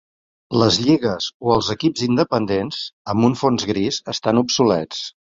Les lligues o els equips independents amb un fons gris estan obsolets.